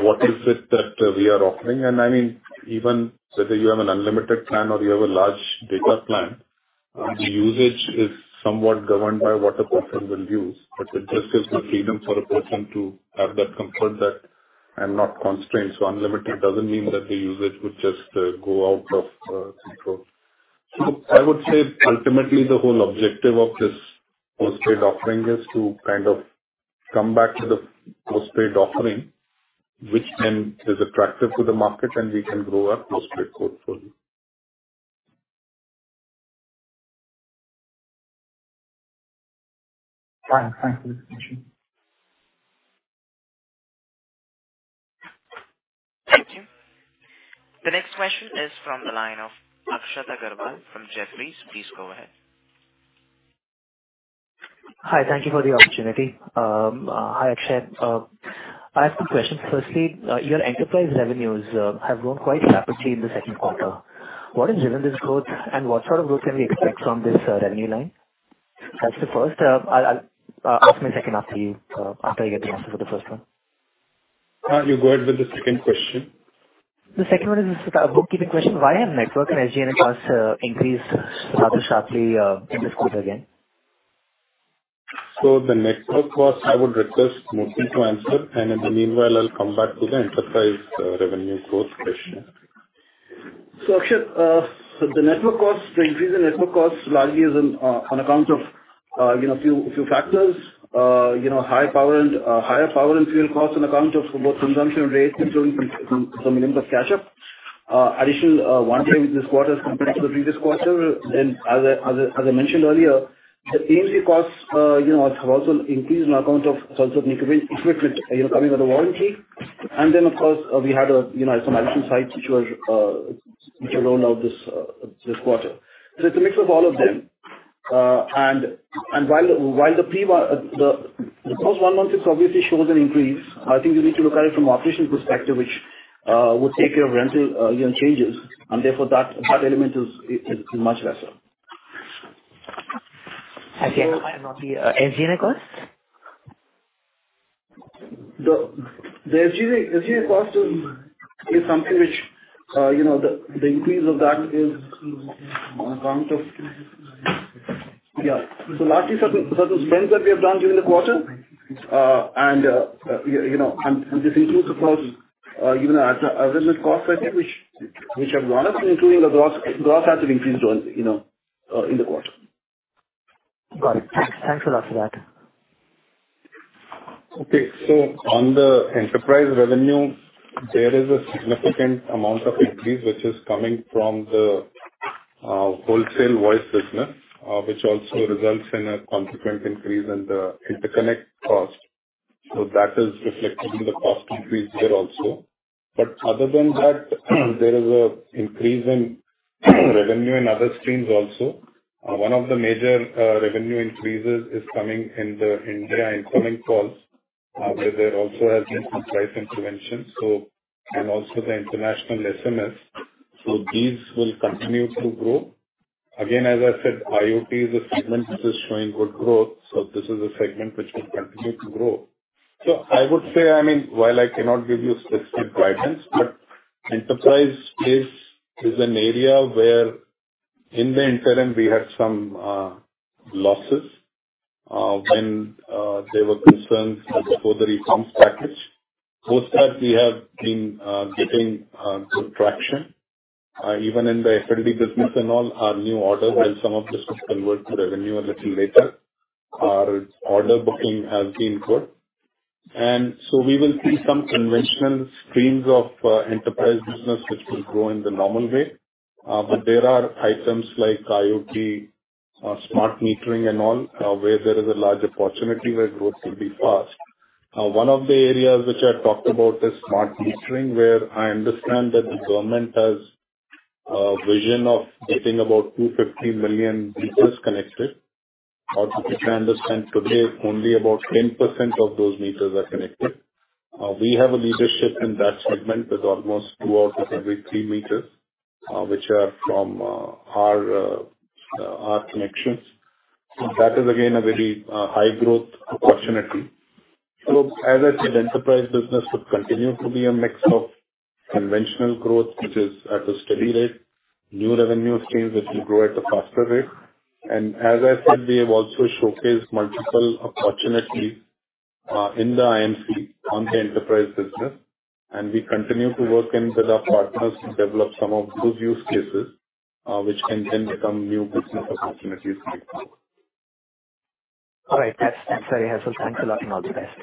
what is it that we are offering. I mean, even whether you have an unlimited plan or you have a large data plan, the usage is somewhat governed by what a person will use, but it just gives the freedom for a person to have that comfort that I'm not constrained. Unlimited doesn't mean that the usage would just go out of control. I would say ultimately the whole objective of this postpaid offering is to kind of come back to the postpaid offering, which then is attractive to the market and we can grow our postpaid portfolio. Fine. Thanks for the information. Thank you. The next question is from the line of Akshat Agarwal from Jefferies. Please go ahead. Hi. Thank you for the opportunity. Hi, Akshaya. I have some questions. Firstly, your enterprise revenues have grown quite rapidly in the second quarter. What has driven this growth and what sort of growth can we expect from this revenue line? That's the first. I'll ask my second after I get the answer for the first one. You go ahead with the second question. The second one is a bookkeeping question. Why have network and SG&A costs increased rather sharply in this quarter again? The network cost, I would request Murthy to answer, and in the meanwhile I'll come back to the enterprise revenue growth question. Akshat, the network costs, the increase in network costs largely is on account of you know, a few factors. You know, high power and higher power and fuel costs on account of both consumption rates during some minimum catch-up. Additional warranty this quarter as compared to the previous quarter. As I mentioned earlier, the AMC costs you know, have also increased on account of sales of new equipment you know, coming under warranty. Of course, we had, you know, some additional sites which were rolled out this quarter. It's a mix of all of them. While the P1, the post one month it obviously shows an increase. I think you need to look at it from operational perspective, which would take care of rental, you know, changes, and therefore that element is much lesser. SG&A cost? The SG&A cost is something which, you know, the increase of that is on account of largely certain spends that we have done during the quarter. You know, this includes, of course even our business cost, I think which have gone up, including the lease has increased, you know, in the quarter. Got it. Thanks. Thanks a lot for that. Okay. On the enterprise revenue, there is a significant amount of increase which is coming from the wholesale voice business, which also results in a consequent increase in the interconnect cost. That is reflecting in the cost increase there also. Other than that, there is a increase in revenue in other streams also. One of the major revenue increases is coming in the Indian incoming calls, where there also has been some price intervention, so, and also the international SMS. These will continue to grow. Again, as I said, IoT is a segment which is showing good growth, so this is a segment which will continue to grow. I would say, I mean, while I cannot give you specific guidance, but enterprise is an area where in the interim we had some losses. When there were concerns before the reforms package. Post that, we have been getting good traction even in the FDD business and all our new orders, while some of this will convert to revenue a little later. Our order booking has been good. We will see some conventional streams of enterprise business which will grow in the normal way. There are items like IoT, smart metering and all, where there is a large opportunity where growth will be fast. One of the areas which I talked about is smart metering, where I understand that the government has a vision of getting about 250 million meters connected. If I understand today, only about 10% of those meters are connected. We have a leadership in that segment with almost two out of every three meters, which are from our connections. That is again a very high growth opportunity. As I said, enterprise business would continue to be a mix of conventional growth, which is at a steady rate, new revenue streams, which will grow at a faster rate. As I said, we have also showcased multiple opportunities in the IMC on the enterprise business, and we continue to work in with our partners to develop some of those use cases, which can then become new business opportunities. All right. That's very helpful. Thanks a lot, and all the best.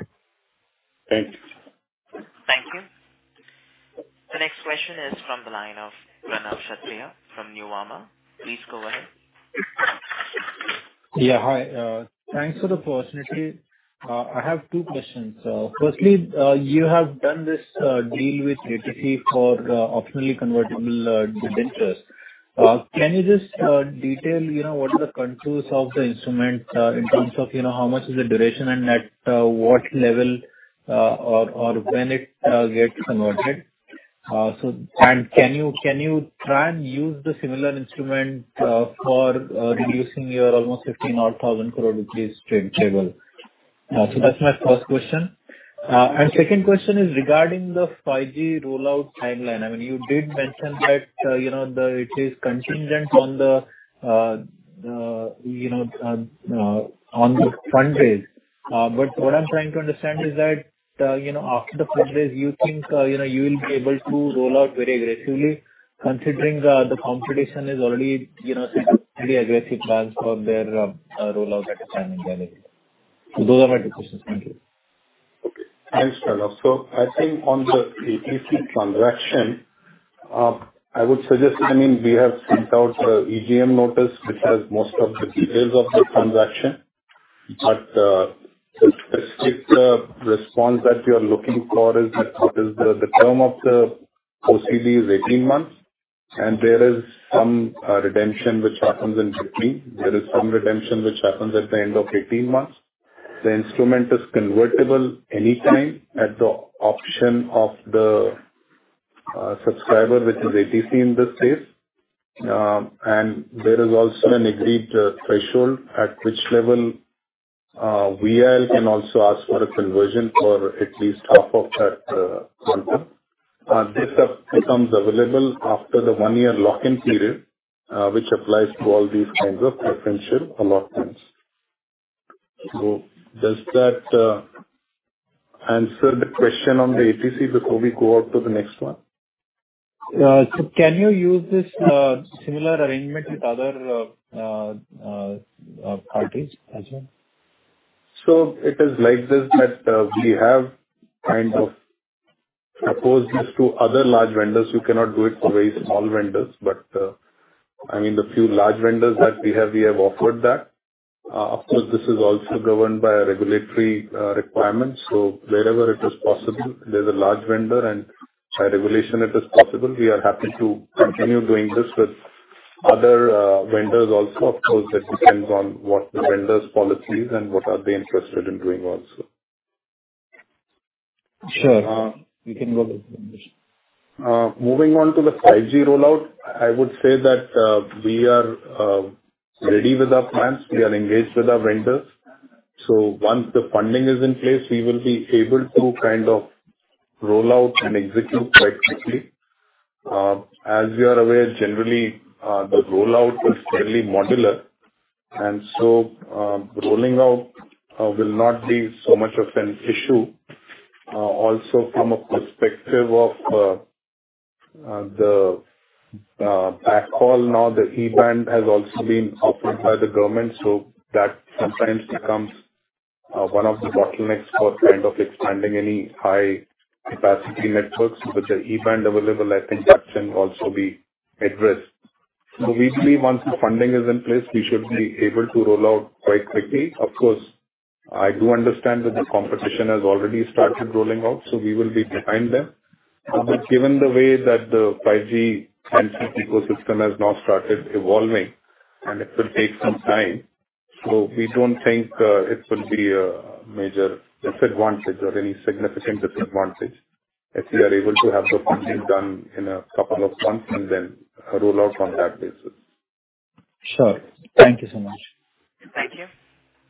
Thank you. Thank you. The next question is from the line of Pranav Kshatriya from Nomura. Please go ahead. Yeah. Hi. Thanks for the opportunity. I have two questions. Firstly, you have done this deal with ATC for optionally convertible debentures. Can you just detail, you know, what are the terms of the instrument, in terms of, you know, what is the duration and at what level, or when it gets converted? Can you try and use the similar instrument for reducing your almost 15,000 crore rupees trade payable? That's my first question. Second question is regarding the 5G rollout timeline. I mean, you did mention that, you know, it is contingent on the, you know, on the fundraise. What I'm trying to understand is that, you know, after the fundraise, you think, you know, you will be able to roll out very aggressively considering the competition is already, you know, set pretty aggressive plans for their rollout at a time in general. Those are my two questions. Thank you. Thanks, Pranav. I think on the ATC transaction, I would suggest, I mean, we have sent out a EGM notice which has most of the details of the transaction, but the specific response that you're looking for is that the term of the OCD is 18 months, and there is some redemption which happens in between. There is some redemption which happens at the end of 18 months. The instrument is convertible anytime at the option of the subscriber, which is ATC in this case. And there is also an agreed threshold at which level VIL can also ask for a conversion for at least half of that quantum. This becomes available after the one-year lock-in period, which applies to all these kinds of preferential allotments. Does that answer the question on the ATC before we go on to the next one? Can you use this similar arrangement with other parties as well? It is like this, that, we have kind of exposed this to other large vendors. You cannot do it for very small vendors. I mean, the few large vendors that we have, we have offered that. Of course, this is also governed by regulatory requirements. Wherever it is possible, there's a large vendor and by regulation it is possible, we are happy to continue doing this with other vendors also. Of course that depends on what the vendor's policy is and what are they interested in doing also. Sure. We can go with the next. Moving on to the 5G rollout, I would say that we are ready with our plans. We are engaged with our vendors. Once the funding is in place, we will be able to kind of roll out and execute quite quickly. As you are aware, generally, the rollout is fairly modular, and so rolling out will not be so much of an issue. Also from a perspective of the backhaul now, the E-band has also been offered by the government, so that sometimes becomes one of the bottlenecks for kind of expanding any high-capacity networks. With the E-band available, I think that can also be addressed. We believe once the funding is in place, we should be able to roll out quite quickly. Of course, I do understand that the competition has already started rolling out, so we will be behind them. Given the way that the 5G ecosystem has now started evolving, and it will take some time, so we don't think it will be a major disadvantage or any significant disadvantage if we are able to have the funding done in a couple of months and then roll out on that basis. Sure. Thank you so much. Thank you.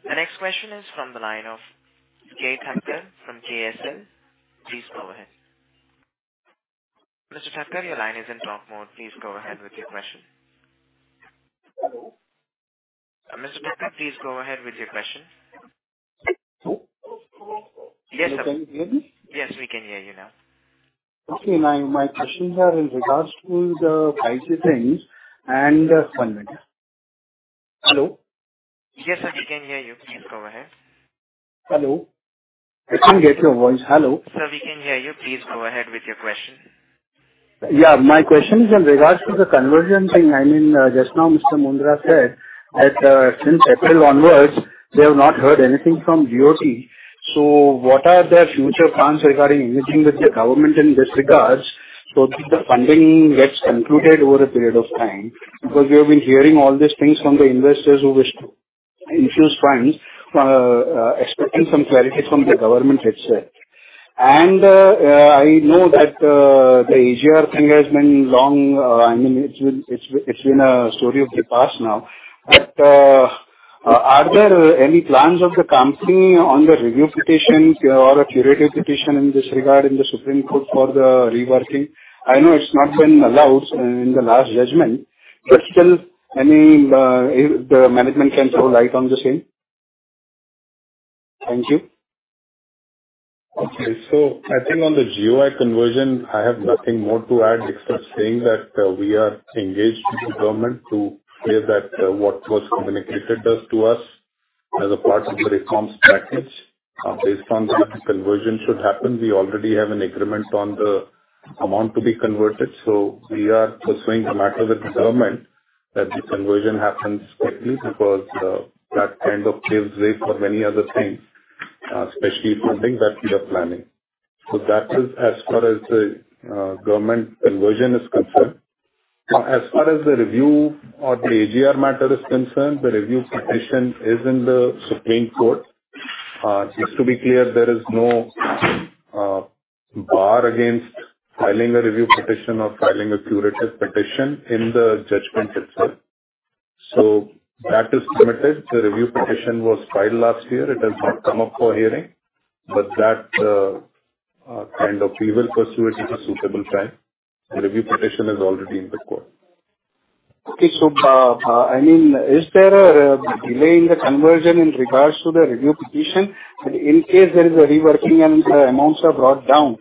The next question is from the line of Ketan Thakkar from KSL. Please go ahead. Mr. Thakkar, your line is in talk mode. Please go ahead with your question. Hello? Mr. Thakkar, please go ahead with your question. Hello. Yes, sir. Can you hear me? Yes, we can hear you now. Okay. My questions are in regards to the pricing things and funding. Hello? Yes, sir, we can hear you. Please go ahead. Hello. I can't get your voice. Hello. Sir, we can hear you. Please go ahead with your question. Yeah, my question is in regards to the conversion thing. I mean, just now Mr. Moondra said that, since April onwards, they have not heard anything from DoT. What are their future plans regarding engaging with the government in this regards so that the funding gets concluded over a period of time? Because we have been hearing all these things from the investors who wish to infuse funds, expecting some clarity from the government itself. I know that, the AGR thing has been long. I mean, it's been a story of the past now. Are there any plans of the company on the review petition or a curative petition in this regard in the Supreme Court for the reworking? I know it's not been allowed in the last judgment, but still, I mean, if the management can throw light on the same? Thank you. I think on the GoI conversion, I have nothing more to add except saying that we are engaged with the government to clear that what was communicated to us as a part of the reforms package. Based on that, the conversion should happen. We already have an agreement on the amount to be converted, so we are pursuing the matter with the government that the conversion happens quickly, because that kind of clears way for many other things, especially funding that we are planning. That is as far as the government conversion is concerned. As far as the review or the AGR matter is concerned, the review petition is in the Supreme Court. Just to be clear, there is no bar against filing a review petition or filing a curative petition in the judgment itself. That is permitted. The review petition was filed last year. It has not come up for hearing, but that, kind of we will pursue it at a suitable time. The review petition is already in the court. Okay. I mean, is there a delay in the conversion in regards to the review petition? In case there is a reworking and the amounts are brought down,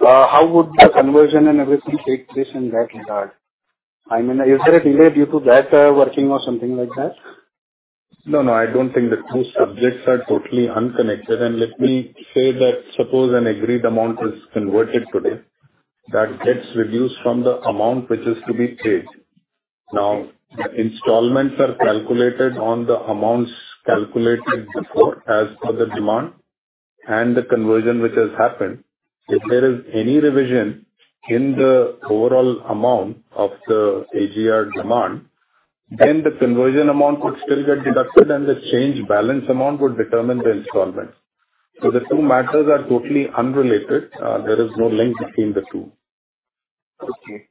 how would the conversion and everything take place in that regard? I mean, is there a delay due to that, working or something like that? No, no, I don't think. The two subjects are totally unconnected. Let me say that suppose an agreed amount is converted today, that gets reduced from the amount which is to be paid. Now, the installments are calculated on the amounts calculated before as per the demand and the conversion which has happened. If there is any revision in the overall amount of the AGR demand, then the conversion amount would still get deducted and the remaining balance amount would determine the installment. The two matters are totally unrelated. There is no link between the two. Okay.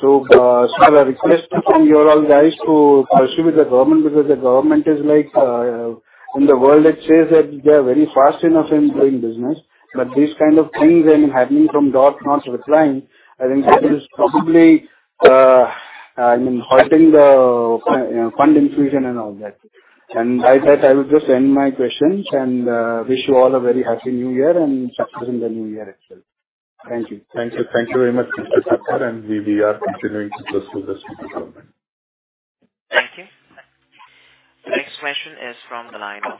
The request from you all guys to pursue with the government, because the government is like, in the world it says that they are very fast enough in doing business, but these kind of things, I mean, happening from DoT not replying, I think that is probably, I mean, halting the fund infusion and all that. By that, I would just end my questions and wish you all a very happy new year and success in the new year as well. Thank you. Thank you. Thank you very much, Mr. Thakkar, and we are continuing to pursue this with the government. Thank you. The next question is from the line of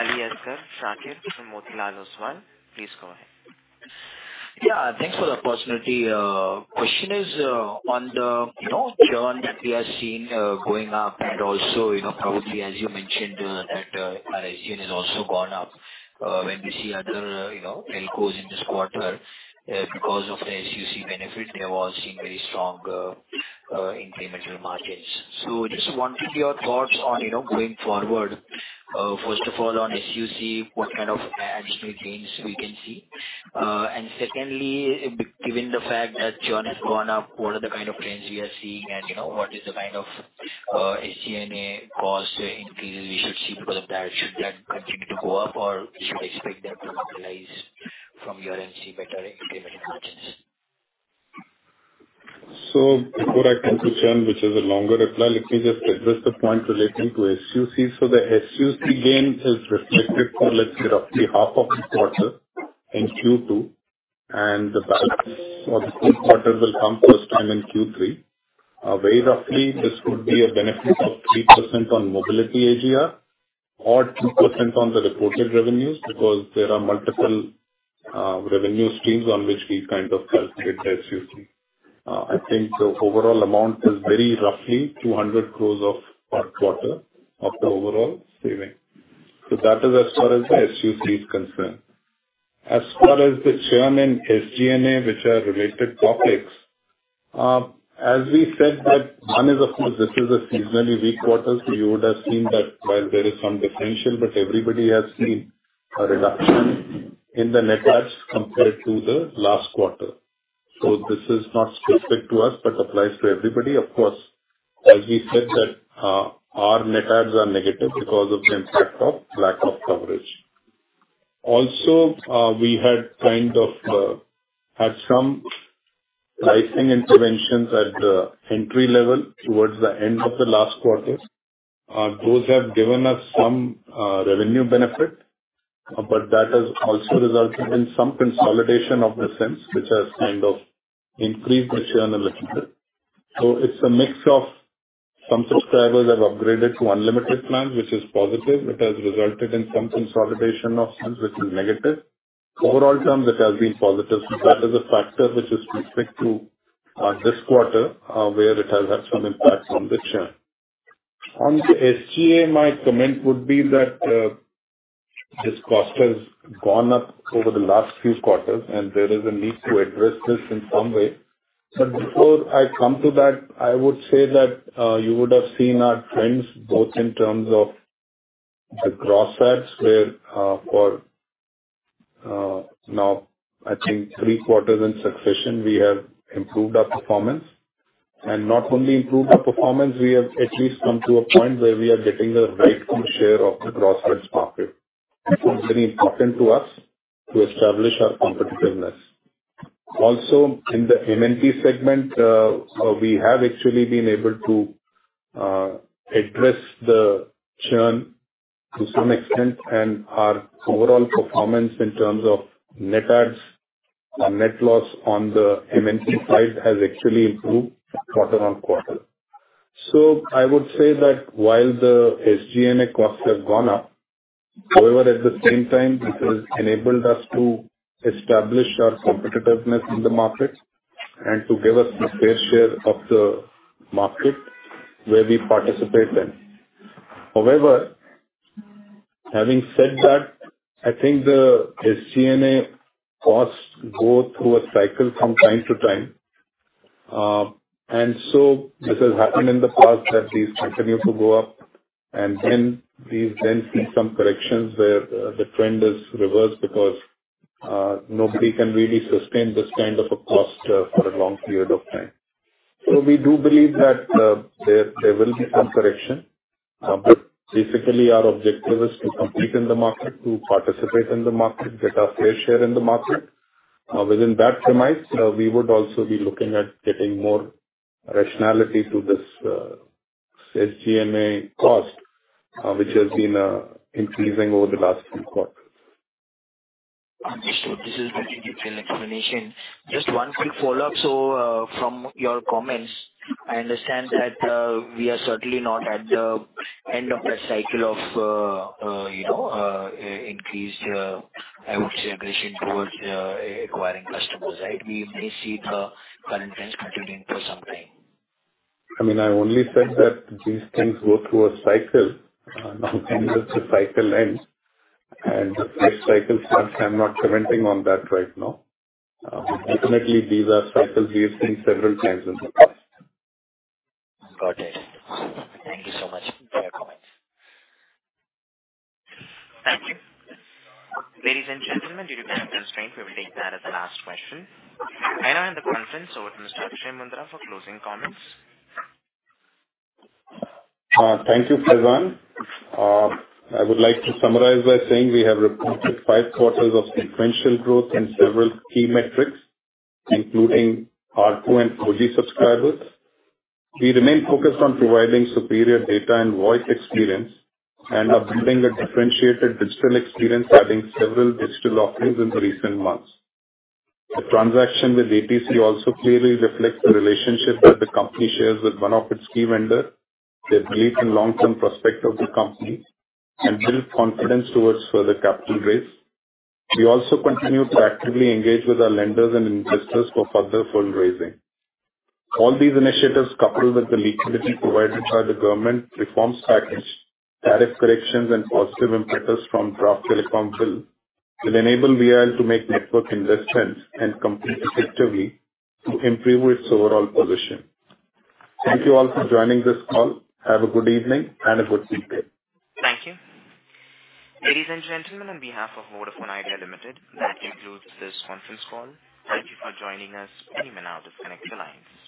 Aliasgar Shakir from Motilal Oswal. Please go ahead. Yeah, thanks for the opportunity. Question is on the, you know, churn that we have seen going up and also, you know, probably as you mentioned that our SG&A has also gone up. When we see other, you know, telcos in this quarter because of the SUC benefit, they were all seeing very strong incremental margins. Just wanted your thoughts on, you know, going forward. First of all, on SUC, what kind of additional gains we can see? And secondly, given the fact that churn has gone up, what are the kind of trends we are seeing and, you know, what is the kind of SG&A cost increase we should see because of that? Should that continue to go up, or should I expect that to normalize from your end, see better incremental margins? Before I come to churn, which is a longer reply, let me just address the point relating to SUC. The SUC gain is reflected for, let's say, roughly half of the quarter in Q2, and the balance for the full quarter will come first time in Q3. Very roughly, this could be a benefit of 3% on mobility AGR or 2% on the reported revenues, because there are multiple revenue streams on which we kind of calculate the SUC. I think the overall amount is very roughly 200 crores per quarter of the overall saving. That is as far as the SUC is concerned. As far as the churn in SG&A, which are related topics, as we said that, one is, of course, this is a seasonally weak quarter. You would have seen that while there is some differential, but everybody has seen a reduction in the net adds compared to the last quarter. This is not specific to us, but applies to everybody. Of course, as we said that, our net adds are negative because of the impact of lack of coverage. Also, we had kind of had some pricing interventions at the entry level towards the end of the last quarter. Those have given us some revenue benefit, but that has also resulted in some consolidation of the SIMs, which has kind of increased the churn a little bit. It's a mix of some subscribers have upgraded to unlimited plans, which is positive. It has resulted in some consolidation of SIMs, which is negative. Overall terms, it has been positive. That is a factor which is specific to this quarter, where it has had some impact on the churn. On the SG&A, my comment would be that this cost has gone up over the last few quarters, and there is a need to address this in some way. Before I come to that, I would say that you would have seen our trends, both in terms of the gross adds where for now I think three quarters in succession, we have improved our performance. Not only improved our performance, we have at least come to a point where we are getting the right share of the gross adds market. It's very important to us to establish our competitiveness. Also, in the MNP segment, we have actually been able to address the churn to some extent, and our overall performance in terms of net adds or net loss on the MNP side has actually improved quarter-on-quarter. I would say that while the SG&A costs have gone up, however, at the same time, it has enabled us to establish our competitiveness in the market and to give us a fair share of the market where we participate in. However, having said that, I think the SG&A costs go through a cycle from time to time. This has happened in the past that these continue to go up, and then we see some corrections where the trend is reversed because nobody can really sustain this kind of a cost for a long period of time. We do believe that there will be some correction. Basically our objective is to compete in the market, to participate in the market, get our fair share in the market. Within that premise, we would also be looking at getting more rationality to this SG&A cost, which has been increasing over the last few quarters. Understood. This is very detailed explanation. Just one quick follow-up. From your comments, I understand that we are certainly not at the end of the cycle of you know, increased, I would say, aggression towards acquiring customers, right? We may see the current trends continuing for some time. I mean, I only said that these things go through a cycle. When this cycle ends and the next cycle starts, I'm not commenting on that right now. Ultimately, these are cycles we have seen several times in the past. Got it. Thank you so much for your comments. Thank you. Ladies and gentlemen, due to time constraint, we will take that as the last question. Now, handing the conference over to Mr. Akshaya Moondra for closing comments. Thank you, Faizan. I would like to summarize by saying we have reported five quarters of sequential growth in several key metrics, including ARPU and 4G subscribers. We remain focused on providing superior data and voice experience and are building a differentiated digital experience, adding several digital offerings in the recent months. The transaction with ATC also clearly reflects the relationship that the company shares with one of its key vendor, their belief in long-term prospect of the company, and build confidence towards further capital raise. We also continue to actively engage with our lenders and investors for further fundraising. All these initiatives, coupled with the liquidity provided by the government reforms package, tariff corrections, and positive impetus from Draft Telecom Bill, will enable VI to make network investments and compete effectively to improve its overall position. Thank you all for joining this call. Have a good evening and a good weekday. Thank you. Ladies and gentlemen, on behalf of Vodafone Idea Limited, that concludes this conference call. Thank you for joining us, and you may now disconnect your lines.